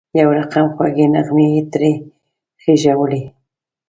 یو رقم خوږې نغمې یې ترې خېژولې.